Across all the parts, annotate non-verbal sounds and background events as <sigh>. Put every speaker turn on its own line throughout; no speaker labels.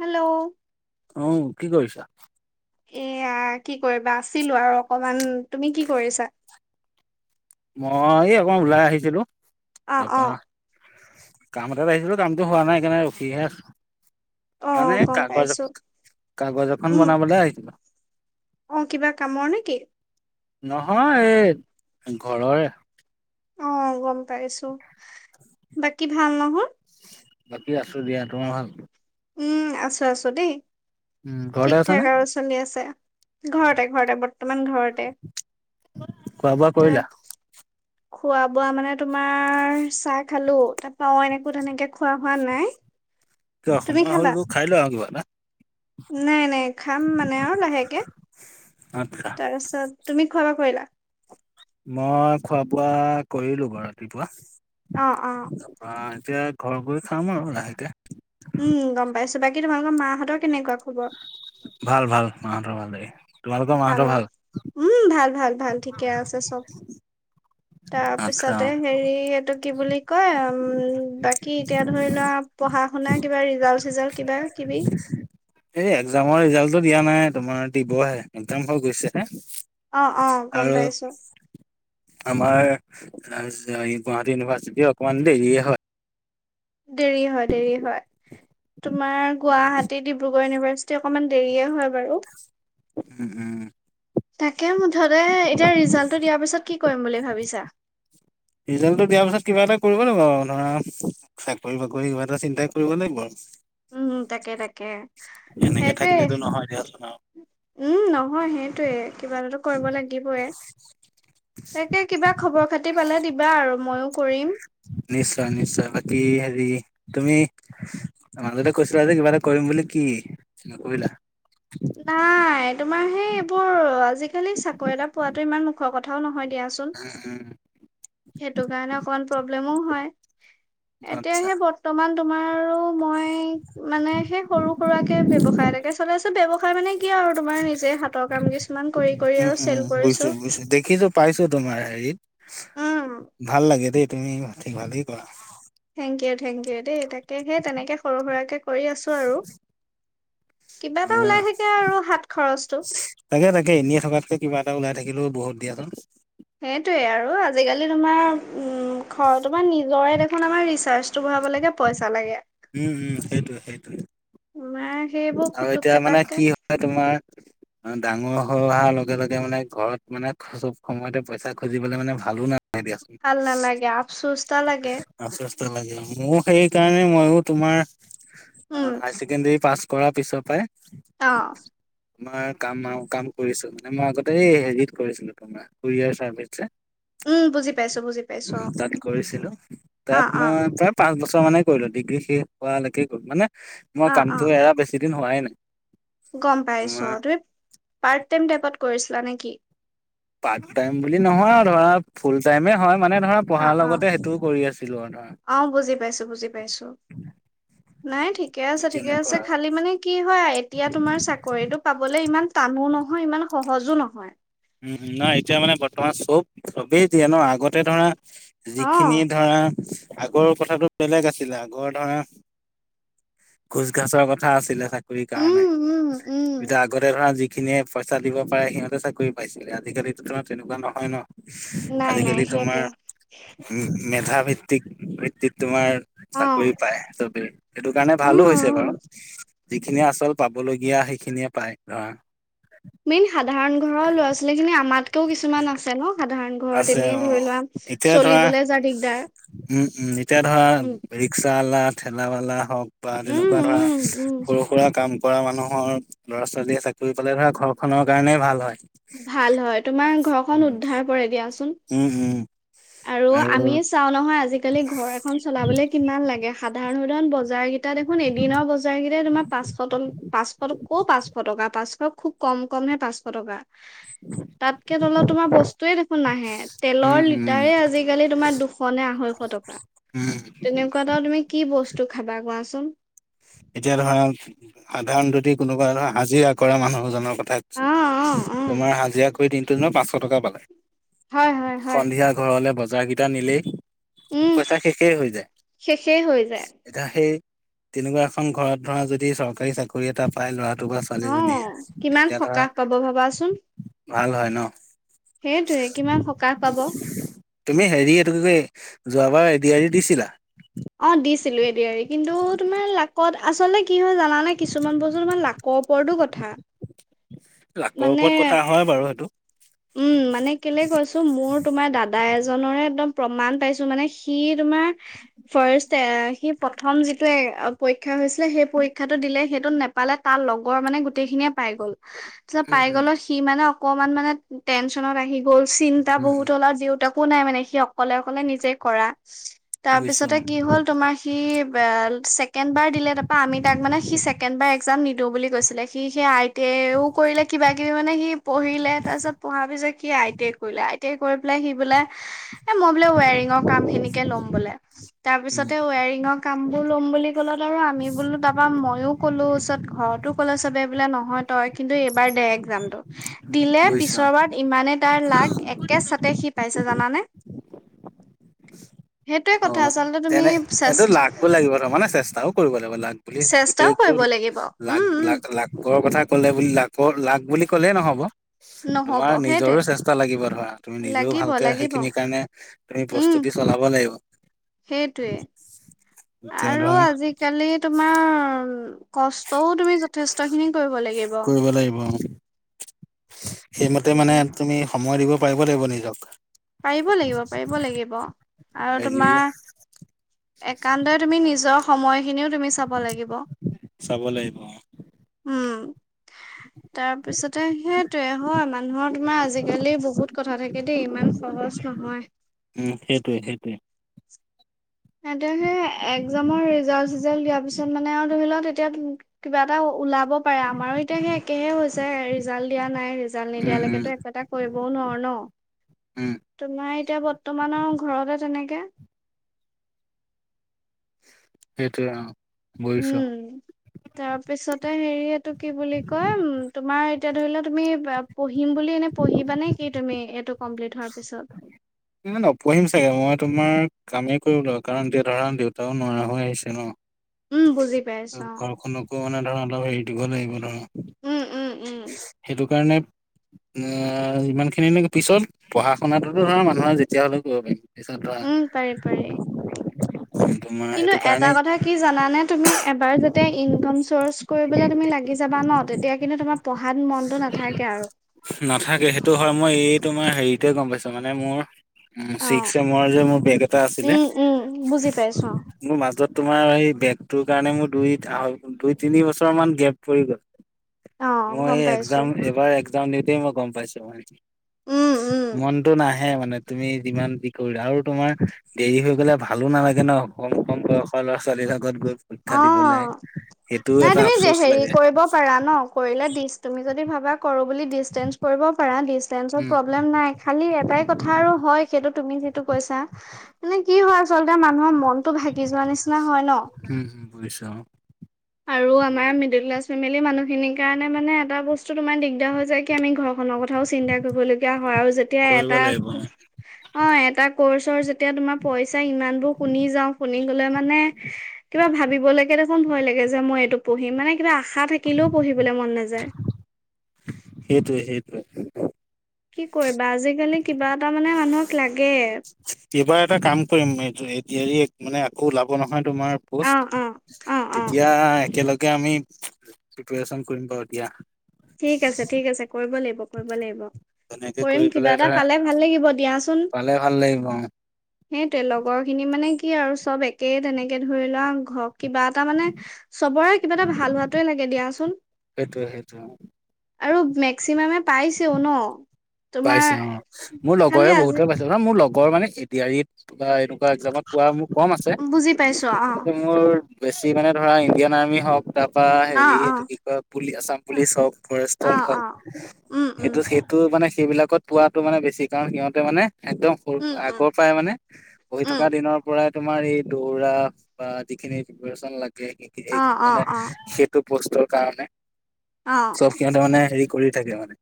Hello
উ কি কৰিছা?
এয়া কি কৰিবা আছিলো আৰু অকমান তুমি কি কৰিছা?
মই এই অকণ ওলাই আহিছিলোঁ।
অ অ
কাম এটাত আহিছিলোঁ কামটো হোৱা নাই সেইকাৰণে ৰখি হে আছোঁ।
অ
মানে
গম
কাগজ
পাইছো
কাগজ এখন
উম
বনাবলে আহিছিলোঁ।
অ কিবা কামৰ নেকি?
নহয় এই ঘৰৰে।
অ গম পাইছোঁ, বাকী ভাল নহয়?
বাকী আছোঁ দিয়া তোমাৰ ভাল।
উম আছোঁ আছোঁ দেই।
উম ঘৰতে
ঠিক
আছা
ঠাক
নে
আৰু চলি আছে ঘৰতে ঘৰতে বৰ্তমান ঘৰতে।
খোৱা বোৱা
তে
কৰিলা
তাপা খোৱা বোৱা মানে তোমাৰ চাহ খালো, তাৰপৰা অনেই একো তেনেকে খোৱা খোৱা নাই।
কিবা
তুমি
সময়
খালা
হ'ল ৰ খাই লোৱা আৰু কিবা এটা।
নাই নাই খাম মানে আৰু লাহেকে।
আচ্ছা
তাৰপিছত তুমি খোৱা বোৱা কৰিলা?
মই খোৱা বোৱা কৰিলোঁ বাৰু ৰাতিপুৱা,
অ অ
তাৰপৰা এতিয়া ঘৰ গৈ খাম আৰু লাহেকে।
উম গম পাইছো বাকী তোমালোকৰ মাহঁতৰ কেনেকুৱা? খবৰ?
ভাল ভাল মাহতৰ ভালেই। তোমালোকৰ
ভাল,
মাহঁতৰ
উম ভাল ভাল ভাল ঠিকে আছে চব। তাৰ
আচ্ছা
পিছতে হেৰি এইটো কি বুলি কয় উম বাকী এতিয়া ধৰি লোৱা পঢ়া -শুনা কিবা ৰিজাল্ট চিজালট কিবা কিবি
এই এক্সামৰ ৰিজাল্টটো দিয়া নাই তোমাৰ দিবহে এক্সাম হৈ গৈছে হে।
অ অ গম
আৰু
পাইছোঁ।
আমাৰ গুৱাহাটী ইউনিভাৰ্চিটি অকমান দেৰিয়ে হয়।
দেৰি হয় দেৰি হয় তোমাৰ গুৱাহাটী, ডিব্ৰুগড় ইউনিভাৰ চিটি অকমান দেৰিয়ে হয় বাৰু।
উম উম।
তাকে মুঠতে এতিয়া ৰিজাল্টটো দিয়াৰ পিছত কি কৰিম বুলি ভাবিছা?
ৰিজাল্টটো দিয়াৰ পিছত কিবা এটা কৰিব লাগিব আৰু ধৰা চাকৰি বাকৰি কিবা এটা চিন্তাই কৰিব লাগিব আৰু।
উম তাকে তাকে।
এনেকে থাকিলেতো
সেইটোৱে।
নহয় দিয়াচোন আৰু।
উম নহয় সেইটোৱে কিবা এটা কৰিব লাগিবই। তাকে কিবা খবৰ খাতি পালে দিবা আৰু ময়ো কৰিম।
নিশ্চয় নিশ্চয় বাকী হেৰি তুমি তোমাক লগতে কৈছিলা যে কিবা এটা কৰিম বুলি কি কৰিলা?
নাই তোমাৰ সেই এইবোৰ আজিকালি চাকৰি এটা পোৱাতো ইমান মুখৰ কথাওঁ নহয়। দিয়াচোন,
উম উম
সেইটো কাৰণে অকমান প্ৰব্লেমো হয়।
আচ্ছা
এতিয়াহে বৰ্তমান তোমাৰ আৰু মই মানে সেই সৰু সুৰাকে ব্যৱসায় এটাকে চলাই আছো। ব্যৱ মানে কিয় আৰু তোমাৰ নিজে হাতৰ কাম কিছুমান কৰি কৰি
উম
আৰু
উম
চেল
বুজিছো
কৰিছো।
বুজিছো দেখিছো পাইছো তোমাৰ হেৰিত,
উম
ভাল লাগে দেই তুমি ঠিক ভালেই কৰা।
থেংক ইউ থেংক ইউ দেই তাকেহে তেনেকে সৰু সুৰাকে কৰি আছোঁ আৰু। কিবা এটা ওলাই
অঁ
থাকে আৰু হাত খৰচটো।
তাকে তাকে এনেয়ে থকাতকে কিবা এটা ওলাই থাক থাকিলেও বহুত দিয়াচোন।
সেইটোৱেই আৰু আজিকালি তোমাৰ উম তোমাৰ নিজৰে দেখোন আমাৰ ৰিচাৰ্চ তো ভৰাব লাগে পইচাঁ লাগে।
উম উম সেইটোৱে সেইটোৱে।
তোমাৰ সেইবোৰ
আৰু
খুটুক
এতিয়া মানে
খাটাককে
কি হয় তোমাৰ ডাঙৰ ঘৰ অহাৰ লগে লগে মানে ঘৰত মানে চব সময়তে পইচা খুজিবলৈ মানে ভালো নাই।
ভাল নালাগে আফচুস্থা লাগে।
ল মোৰ সেই কাৰণে মইয়ো তোমাৰ
উম
হায় ছেকেণ্ডাৰী পাছ কৰা পিছৰ পৰাই
অঁ।
তোমাৰ কাম আৰু কাম কৰিছো মানে মই আগতে হেৰিত কৰিছিলো তোমাৰ কৰিয়াৰ চাৰ্ভিচ যে।
উম বুজি পাইছো। বুজি পাইছো
তাত কৰিছিলো
অ
তাত
অ
মই প্ৰায় পাঁচ বছৰ মানে কৰিলো। ডিগ্ৰী শেষ হোৱালৈকে গল মানে মই
অ অ অ
কামটো এৰা বেছি দিন হোৱাই নাই।
গম পাইছো,
আমাৰ
তুমি ৰ্পাট টাইম টাইপত কৰিছিলা নেকি?
পাৰ্ট টাইম বুলি নহয় আৰু ধৰা ফুল টাইমে হয়। মানে ধৰা
অ
পঢ়াৰ
অ
লগতে সেইটোও কৰি আছিলো আৰু ধৰা।
অ বুজি পাইছো বুজি পাইছো নাই ঠিকে আছে ঠিকে আছে
তেনেকুৱা আৰু।
খালি মানে কি হয় এতিয়া তোমাৰ চাকৰিতটো পাবলে ইমান টানো নহয় ইমান সহজো নহয়।
উম নাই এতিয়া মানে বৰ্তমান চব চবেই দিয়ে ন আগতে ধৰা
অ
যিখিনি ধৰা আগৰ কথাতটো বেলেগ আছিলে আগৰ ধৰা ঘোচ গাছৰ কথা আছিলে চাগে চাকৰি কাৰণে
উম উম উম
এতিয়া আগতে ধৰা যিখিনিয়ে পইচা দিব পাৰে সিহঁতে চাকৰি পাইছিলে আজি কালি <unintelligible> তেনেকুৱা নহয় ন
নাই নাই
আজিকালি তোমাৰ,
সেইটোৱে
উম মেধা ভিত্তিক ভিত্তিত তোমাৰ
অ
চাকৰি পায় চবেই সেইটো কাৰণে ভালো
উম
হৈছে
উম
বাওঁ। যিখিনিয়ে আচল পাবলগীয়া সেইখিনিয়ে পায় ধৰা
মেইন সাধাৰণ ঘৰৰ ল'ৰা ছোৱালী খিনি আমাতকেও কিছুমান আছে ন সাধাৰণ ঘৰত
আছে
এনেই ধৰি
অ'।
লোৱা
এতিয়া ধৰা
চলিবলৈ যা দিগদাৰ
উম উম এতিয়া ধৰা
উম
ৰিক্সাৱালাই ঠেলাৱলা হওঁক বা তেনেকুৱা
উম
ধৰা
উম উম
সৰু সুৰা কাম কৰা মানুহৰ ল'ৰা-ছোৱালীয়ে চাকৰি পালে ধৰা ঘৰ খনৰ কাৰণেই ভাল হয়।
খন উদ্ধাৰ কৰে দিয়া।
উম উম।
আৰু আমি চাওঁ নহয় আজিকালি ঘৰ এখন চলাবলৈ কিমান লাগে সাধাৰণ সাধাৰণ বজাৰ এতিয়া দেখোন এদিনৰ বজাৰ কেইটাই তোমাৰ পাঁচশ পাঁচশ ক পাঁচশ টকা পাঁচশ খুব কম কমহে পাঁচশ টকা তাতকে তলত তোমাৰ বস্তুয়ে দেখোন নাহে
উম,
তেলৰ লি
উম,
তাৰে আজিকালি তোমাৰ দুশ নে আঢ়ৈশ টকা
উম,
তেনেকুৱা এটাও তুমি কি বস্তু খাবা কোৱাচোন
এতিয়া ধৰা সাধাৰণ যদি কোনোবা ধৰা আজিৰা কৰা মানুহজনৰ কথা কৈছো
অ অ অ
তোমাৰ হাজিৰা কৰি দিনটো দিনৰত পাঁচশ টকা পালা।
হয় হয় হয়
সন্ধিয়া ঘৰলে বজাৰ কেইটা নিলেই
উম
পইচা শেষেই হৈ যায়
শেষেই হৈ যায়
এতিয়া, সেই তেনেকুৱা এ খন ঘৰত ধৰা যদি চৰকাৰী চাকৰি এটা পাই ল'ৰাটো
অ
ছোৱালীজনীয়ে
কিমান
তেতিয়া ধৰা
সকাহ পাব ভাবাচোন
ভাল হয় ন
সেইটোৱে কিমান সকাহ পাব অ
<unintelligible> তুমি হেৰি এইটো কি যোৱাবাৰ এডিয়াৰি এৰি দিছিলা।
অ দিছিলোঁ এডিয়াৰি কিন্তু তোমাৰ লাকত আচলতে কি হয় জান মানে কিছুমান বস্তু তোমাৰ লাকৰ ওপৰৰতটো কথা,
লাকৰ
মানে
ওপৰত কথা হয় বাৰু সেইটো।
উম মানে কেলে কৈছো মোৰ তোমাৰ দাদা এজৰে একদম প্ৰমাণ পাইছোঁ মানে সি তোমাৰ ফাৰ্ষ্ট এ সি প্ৰথম যেতিয়া পৰীক্ষা হৈছিলে সেই পৰীক্ষাটো দিলে সেইটো নেপালে তাৰ লগৰ মানে গোটেই খিনিয়ে পাই গ'ল।
উম
পাই
উম।
গ'লত সি মানে অকমান মানে টেনচনত আহি গ'ল চিন্তা
উম
বহুত
হম
হ'ল আৰু দেউতাকো নাই মানে সি অকলে অকলে নিজে কৰা
বুজিছো
তাৰপিছতে
অ,
কি হ'ল তোমাৰ সি <unintelligible> ছেকেণ্ড বাৰ দিলে তাৰপৰা আমি তাক মানে সি ছেকেণ্ড বাৰ এক্সাম নিদিওঁ বুলি কৈছিলে সি সেই আই তেওঁ কৰিলে কিবা কিবি মানে সি পঢ়িলে তাৰপিছত পঢ়া পিছত কি আই টি আই কৰিলে আই টিই কৰি পেলাই সি বোলে এ মই বোলে ৱাৰিঙৰ কাম খিনিকে ল'ম বোলে তাৰ
উম
পিছতে ৱাৰিং কাম বোৰ ল'ম বুলি <unintelligible> আৰু আমি বোলো তাপা মইওঁ ক'লো ওচৰত ঘৰতো ক'লে চবে বোলে নহয় তই কিন্তু এইবাৰ দে এক্জাম টো দিলে
বুজিছো
পিছৰবাৰত ইমানে তাৰ লাগ একে ছাতে সি পাইছে। জানানে। সেইটোৱে
অ
কথা আচলতে তুমি
তেনে এইটো
চেষ্টা
লাগিও লাগিব ত মানে চেষ্টাও কৰিব লাগিব লাগ বুলি
চেষ্টাও
গোটেইটো
কৰিব লাগিব।
লাক
উম, উম,
লাক লাকৰ কথা ক'লে বুলি লাকৰ লাক বুলি কলে নহ'ব
নহ'ব
তোমাৰ
সেইটোৱে।
নিজৰো চেষ্টা লাগিব ধৰা তুমি নিজেও
লাগিব,
ভালকে
লাগিব।
সেইখিনি কাৰণে তুমি
উম,
প্ৰস্তুতি চলাব লাগিব
সেইটোৱে
এতিয়া
আৰু
ধৰা
আজিকালি তোমাৰ কষ্টও তুমি যথেষ্ট খিনি কৰিব লাগিব
কৰিব লাগিব অ। সেইমতে মানে
উম,
তুমি সময় দিব পাৰিব লাগিব নিজক
পাৰিব লাগিব পাৰিব লাগিব আৰু
হেৰি
তোমাৰ একান্তই তুমি নিজৰ সময়খিনিও তুমি চাব লাগিব উম
উ
তাৰপিছতে সেইটোয়ে হয় মানুহৰ তোমাৰ আজিকালি বহুত কথা থাকে দেই ইমান সহজ নহয়
উম সেইটোৱে সেইটোৱে
স সেই একজামৰ ৰিজাল্ট চিজাল্ট দিয়া পিছত মানে আৰু ধৰি লও তেতিয়া কিবা এটা ওলাব আমাৰো এতিয়া সেই একেহে হৈছে ৰিজাল্ট দিয়া নাই ৰিজাল্ট
উম, উম,
নিদিয়ালৈকেতো একো এটা কৰিবও নোৱাৰো ন
<inaudible>
তোমাৰ এতিয়া বৰ্তমানৰ ঘৰতে তেনেকে
সেইটোয়েই অ বুজিছো।
উম তাৰপিছতে হেৰি এইটো কি বুলি কয় উম তোমাৰ এতিয়া ধৰি লোৱা তুমি বা পঢ়িম বুলি এনে পঢ়িবা নে কি তুমি এইটোক
ন নপঢ়িম চাগে মই তোমাৰ কামেই কৰিবই কাৰণ এতিয়া ধৰা দেউতাও নোৱাৰা হৈ আহিছে
উম বুজি
ন
পাইছো অ
ঘৰখনকো মানে ধৰা অলপ হেৰি গ লাগিব ধৰা
উম উম উম
সেইকাৰণে যিমানখিনি ন পিছত পঢ়া শুনাটোতো ধৰা মানুহৰ যেতিয়া হ'লেও কৰিব পাৰিম পিছত ধৰা
উম পাৰি পাৰি
তোমাৰ
কিন্তু
সেইটো
এটা
কাৰণে
কথা কি জানানে তুমি এবাৰ যাতে ইনকাম চৰ্চ কৰিব তুমি লাগি যাবা ন তেতিয়া কিন্তু তোমাৰ পঢ়াত মনতো নাথাকে আৰু
নাথাকে সেইটো হয় মই এইটো তে গম পাইছো মানে মোৰ
অ
ছিক্স চেমৰ যে মোৰ বেক এটা আছিলে
উম উম বুজি পাইছো
মোৰ মাজত তোমাৰ সেই বেক তোৰ কাৰণে মোৰ দুই দুই তিনি বছৰ মান গেপ পৰি গ'ল
অ
মই
গম
এই
পাইছো
একজাম এবাৰ একজাম দিওতে মই গম পাইছো
উম উম
মন‍টো নাহে মানে তুমি যিমান দি কৰিলা আৰু তোমাৰ দেৰি হৈ গলে ভালো নালাগে ন কম কম বয়সৰ ল'ৰা ছোৱালী লগত গৈ পৰীক্ষা
অ
দিবলৈ
নাই তুমি হেৰি কৰিব পাৰা ন কৰিলে দিছ তুমি যদি ভাবা কৰো বুলি ডিচতেঞ্চ কৰিব পাৰা ডিচতেঞ্চত
উম
প্ৰব্লেম নাই খালি এটাই কথা আৰু হয় সেইটো তুমি কৈছা মানে কি হয় আচলতে মানুহৰ মনটো ভাগি যোৱা নিচিনা হয় ন
বুজিছা
আৰু আমাৰ মিডিল ক্লাছ ফেমিলি মানুহখিনিৰ কাৰণে মানে এটা বস্তু তোমাৰ দিগ হৈ যায় কি আমি ঘৰখনৰ কথাও চিন্তা কৰিবলগীয়া হয় আৰু যেতিয়া
কৰিব
এটা
লাগিব
অ এটা কৰ্চৰ যেতিয়া তোমাৰ পইচা ইমান বোৰ শুনি যাও শুনি গলে মানে কিবা ভাবিবলৈকে দেখোন ভয় লাগে যে মই এইটো পঢ়িম মানে কিবা আশা থাকিলেও পঢ়িবলৈ মন নাযায়
সেইটোৱে সেইটোৱে।
কি কৰিবা আজিকালি কিবা এটা মানে মানুহক লাগে
কিবা এটা কাম কৰিম এ দি আৰ ই আকৌ ওলাব নহয় তোমাৰ
অ',
পোষ্ট
অ', অ', অ'।
তেতিয়া একেলগে আমি প্ৰিপচন কৰিম বাৰু দিয়া
ঠিক আছে ঠিক আছে কৰিব লাগিব কৰিব লাগিব
তেনেকে
কৰিম
কৰি
কিবা
পেলাই
এটা
ধৰা
পালে ভাল লাগিব দিয়া
পালে ভাল লাগিব অ
সেইটোৱেই লগৰ খিনি মানে কি আৰু চব একেই তেনেকে ধৰি লোৱা ঘ কিবা এটা মানে চবৰে কিবা এটা ভাল হোৱাটোৱে লাগে দিয়াচোন।
সেইটোৱে সেইটোৱে অ।
আৰু মেক্সিমামে পাইছেও ন
পাইছে
তোমাৰ
অ মোৰ
খালি
লগৰে
আজি
বহুতে পাইছে মোৰ লগ লগৰ মানে এ ডি আৰিত বা এনেকুৱা একজামত পোৱা মোৰ কম আছে
বুজি পাইছো অ
মোৰ- বেছি মানে ধৰা ইণ্ডিয়ান আৰ্মি হওক তাপা
অ
হেৰি
অ
এইটো কি কয় পুলি আছাম পুলিচ হওক-
অ
ফৰেষ্টৰ
অ
হওক
উম উম
সেইটো সেইটো মানে সেইবিলাকত পোৱটো মানে বেছি কাৰণ সিহঁতে মানে- একদম সৰু
উম উম
আগৰ পৰাই মানে হৈ
উম
থকা দিনৰ পৰাই তোমাৰ এই দৌৰা বা যিখিনি প্ৰিপচন লাগে
অ
সেইখিনি
অ
মানে
অ
সেইটোক বষ্টৰ কাৰণে
অ
চব সিহ তাৰ মানে হেৰি কৰি থাকে মানে-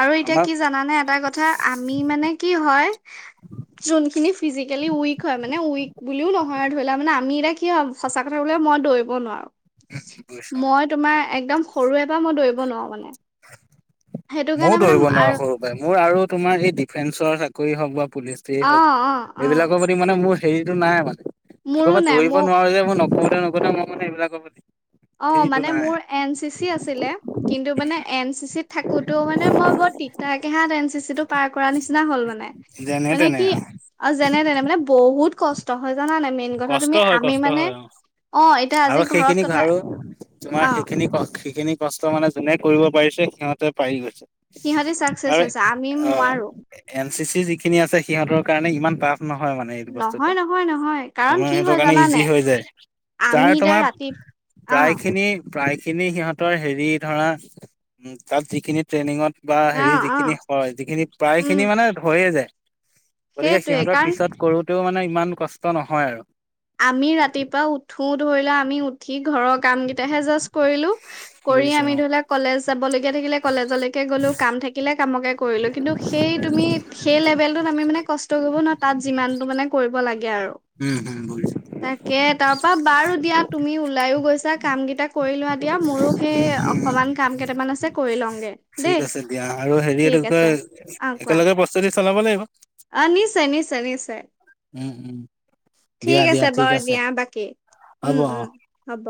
আৰু এতিয়া
আমাৰ
কি জানানে এটা কথা আমি মানে কি হয় যোনখিনি। ফিজিকেলি উইক হয় মানে উইক বুলিও নহয় আৰু ধৰি লও মানে আমি এতিয়া কি হয় সঁচা কথা কব গলে মই দৌৰিব নোৱাৰোঁ।
বুজিছা।
মই তোমাৰ একদম সৰুৰে পৰা মই দৌৰিব নোৱাৰো মানে- সেইটো কাৰণে
ময়ও
মানে
ধৰিব
আৰু
নোৱাৰো সৰুৰ পৰাই মোৰ আৰু তোমাৰ এই ডিফেন্সৰ চাকৰি হওঁক বা- পুলিচ
অ', অ',
হওক
অ',
এইবিলাকৰ প্ৰতি মানে মোৰ হেৰিতটো নাই মানে-
মোৰো
আকৌব
নাই
দৌৰিব
মোৰ
নোৱাৰো যে মই নকোতে নুখো মই মানে সেইবিলাকৰ প্ৰতি-
অ
হেৰিটো
মানে
নাই।
মোৰ এন চি চি আছিলে কিন্তু মান এ চি চি থাক ক'তো মানে মই বৰ তিতা কেহা এন চি চি টো পাৰ কৰা নিচিনা হ'ল মানে।
যেনে
মানে
তেনে
কি
আৰু
অ যেনে তেনে মানে বহুত কষ্ট হয়। জানান নাই মেইন কথা
কষ্ট
তুমি
হয়
আমি
কষ্ট
মানে
হয়
অ এতিয়া
আৰু
আজি
সেইখিনি
ঘৰত কথা।
আৰু
অ',
তোমাৰ সেইখিনি সেইখিনি কষ্ট মানে যোনে কৰিব পাৰিছে সিহঁতে পাৰি গৈছে।
হিহঁতি
আৰু অ এন চি চি যিখিনি আছে সিহঁতৰ কাৰণে ইমান টাফ নহয় মানে এইটো- বস্তুটো
নহয়, নহয়, নহয়। কাৰণ
তোমাৰ
কি
সেইটোৰ
হয়
কাৰণে
জানানে
ইজি হৈ যায়
আমি
তাৰ
এতিয়া
তোমাৰ
ৰাতি
প্ৰায়
অ',
খিনি- প্ৰায়খিনি সিহঁতৰ হেৰি ধৰা উ তাত যিখিনি ট্ৰেইনিঙত- বা হেৰি
অ', অ',
যিখিনি হয় যিখিনি প্ৰায়
উম।
খিনি মানে ধৰিয়ে যায়। গতিকে
সেইটোৱে
সিহঁতৰ
কাৰণ
পিছত কৰোতেও মানে ইমান কষ্ট নহয় আৰু-
আমি ৰাতিপুৱা উঠো ধৰি লোৱা আমি উ সি ঘৰৰ কাম কেইটাহে জাষ্ট কৰিলো কৰি
বুজিছো
আমি
অ।
ধৰি লোৱা কলেজ যাব লগগীয়া থাকিলে। কলেজলৈকে গ'লো কাম থাকিলে কামকে কৰিলোঁ কিন্তু সেই তুমি সেই লেভেলটোত আমি মানে কষ্ট কৰিব নোৱাৰ তাত যিমানটো মানে কৰিব লাগে আৰু
উম হুম
তাকে তাৰপা বাৰু দিয়া তুমি ওলাইও গৈছা কাম কেইটা কৰি লোৱা দিয়া মোৰো সেই
উম, উম,
অকমান কাম কেইটামান আছে কৰি লওঁগে
ঠিক
দেই
আছে দিয়া আৰু হেৰি এইটো কি
ঠিক
কয়
আছে আহ কোৱা
প্ৰস্তুতি চলাব লাগিব।
অ নিশ্চয় নিশ্চয় নিশ্চয়।
উম উম দিয়া দিয়া। ঠিক
হয়
আছে
দিয়া বাকী
হ'ব
উম
অ'।
উম হ'ব।